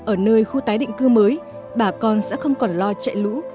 ở nơi khu tái định cư mới bà con sẽ không còn lo chạy lũ